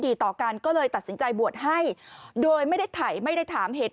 ต่อกันก็เลยตัดสินใจบวชให้โดยไม่ได้ถ่ายไม่ได้ถามเหตุ